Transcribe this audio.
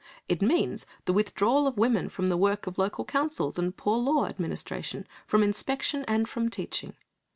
It means the withdrawal of women from the work of local councils and poor law administration, from inspection, and from teaching.